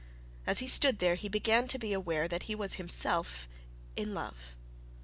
As he stood there he began to be aware that he was himself in love.